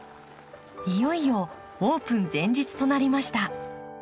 いよいよオープン前日となりました。